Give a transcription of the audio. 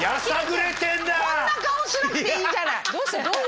こんな顔しなくていいじゃない。